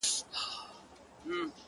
دا سپوږمۍ وينې.